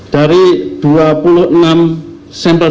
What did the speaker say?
dari dua puluh enam sentral ini